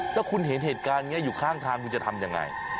แล้วคุณเห็นเหตุการณ์นี้อยู่ข้างทางคุณจะทำยังไง